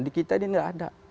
di kita ini tidak ada